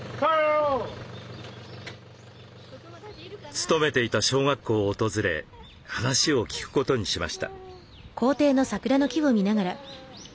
勤めていた小学校を訪れ話を聞くことにしました。